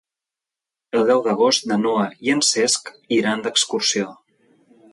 El deu d'agost na Noa i en Cesc iran d'excursió.